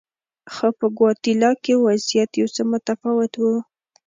خو په ګواتیلا کې وضعیت یو څه متفاوت و.